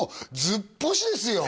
ずっぽしですね